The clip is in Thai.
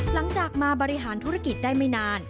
หลังจากมาบริหารธุรกิจได้ไม่นาน